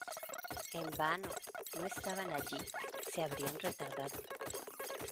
¡En vano! ¡No estaban allí! se habrían retardado.